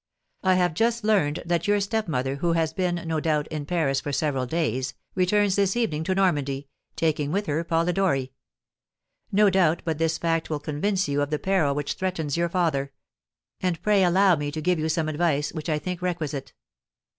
I have just learned that your stepmother, who has been, no doubt, in Paris for several days, returns this evening to Normandy, taking with her Polidori. No doubt but this fact will convince you of the peril which threatens your father; and pray allow me to give you some advice, which I think requisite.